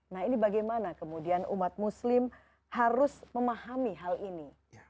nah ini bagaimana kemudian umat muslim harus memahami hal ini